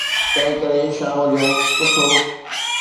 تنهن ڪري شام جو سٺو.